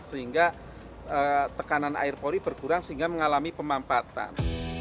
sehingga tekanan air pori berkurang sehingga mengalami pemampatan